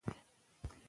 د خلکو غوښتنې حق دي